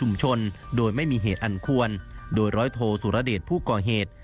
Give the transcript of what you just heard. มีเหตุอันควรโดยร้อยโทรสุรเดชผู้ก่อเหตุ